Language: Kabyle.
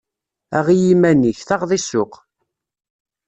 Aɣ i yiman-ik, taɣeḍ i ssuq.